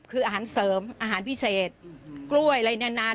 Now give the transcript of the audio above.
คืออาหารเสริมอาหารพิเศษอืมอืมกล้วยอะไรแน่